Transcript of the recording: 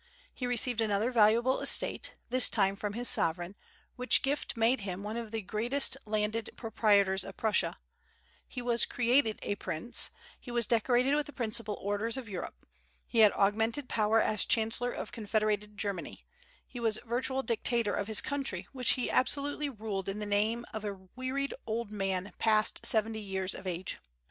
He received another valuable estate, this time from his sovereign, which gift made him one of the greatest landed proprietors of Prussia; he was created a Prince; he was decorated with the principal orders of Europe; he had augmented power as chancellor of confederated Germany; he was virtual dictator of his country, which he absolutely ruled in the name of a wearied old man passed seventy years of age.